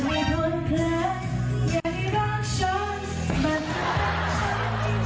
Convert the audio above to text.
เบินกลับฉันจริงหน่อย